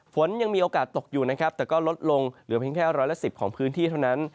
ฝนยังมีโอกาสตกอยู่นะครับแต่ก็ลดลงเหลือเพียงแค่ร้อยละ๑๐ของพื้นที่เท่านั้น